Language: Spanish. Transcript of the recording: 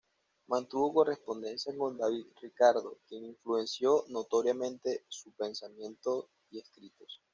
Mantuvo correspondencia con David Ricardo, quien influenció notoriamente su pensamiento y escritos.